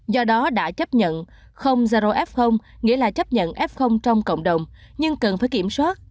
do đó đã chấp nhận f nghĩa là chấp nhận f trong cộng đồng nhưng cần phải kiểm soát